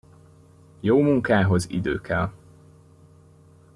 Jó munkához idő kell.